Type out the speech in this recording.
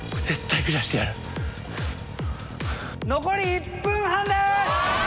残り１分半です。